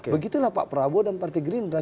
begitulah pak prabowo dan partai gerindra